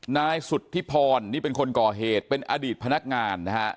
นายสุธิพรนี่เป็นคนก่อเหตุเป็นอดีตพนักงานนะฮะ